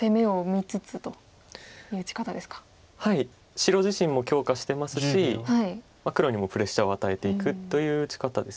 白自身も強化してますし黒にもプレッシャーを与えていくという打ち方です。